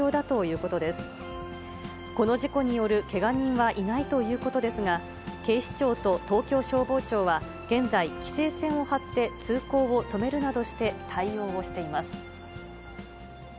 この事故によるけが人はいないということですが、警視庁と東京消防庁は、現在、規制線を張って通行を止めるなどして、対応をしています。